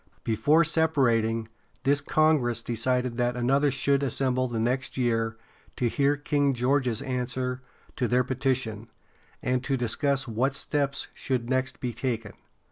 Before separating, this congress decided that another should assemble the next year to hear King George's answer to their petition, and to discuss what steps should next be taken.